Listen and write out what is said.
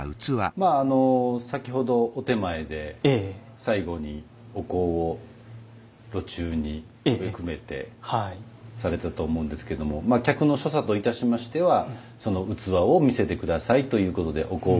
まああの先ほどお点前で最後にお香を炉中に埋めくべてされたと思うんですけども客の所作といたしましてはその器を見せて下さいということでお香合の拝見をということになります。